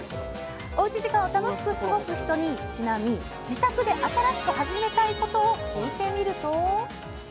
おうち時間を楽しく過ごす人にちなみ、自宅で新しく始めたいことを聞いてみると。